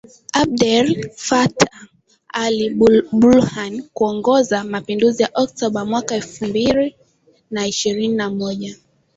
Abdel Fattah al-Burhan kuongoza mapinduzi ya Oktoba mwaka elfu mbili na ishirini na moja